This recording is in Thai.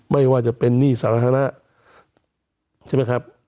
ไม่ว่าจะเป็นหนี้สาธารณะใช่ไหมครับ